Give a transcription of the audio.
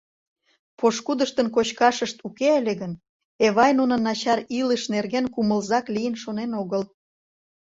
Пошкудыштын кочкашышт уке ыле гын, Эвай нунын начар илыш нерген кумылзак лийын шонен огыл.